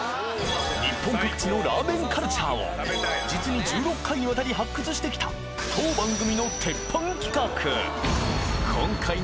日本各地のラーメンカルチャーを実に１６回に渡り発掘してきた当番組の鉄板企画！